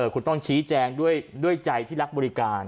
คุณต้องชี้แจงด้วยใจที่รักบริการ